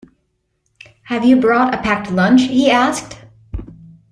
Have you brought a packed lunch? he asked